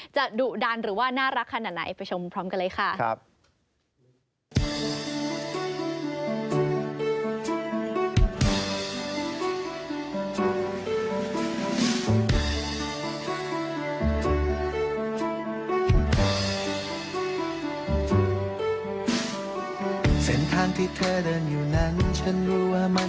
ดุดันหรือว่าน่ารักขนาดไหนไปชมพร้อมกันเลยค่ะ